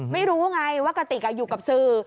ไม่รู้ไงว่ากติกอยู่กับสื่อ